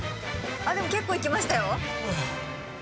でも、結構いきましたよ。